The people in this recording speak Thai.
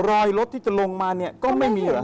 รอยรถที่จะลงมาเนี่ยก็ไม่มีเหรอ